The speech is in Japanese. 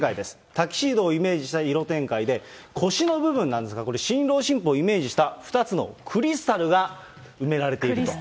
タキシードをイメージした色展開で、腰の部分なんですが、これ、新郎新婦をイメージした２つのクリスタルが埋められていると。